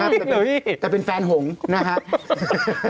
เห็นหรือว่าเฮ่ยแต่เป็นแฟนหงนะครับ